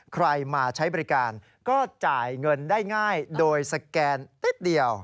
ใครมาใช้บริการก็จ่ายเงินได้ง่ายโดยสแกนนิดเดียว